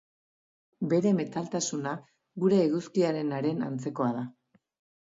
Bere metaltasuna gure eguzkiarenaren antzekoa da.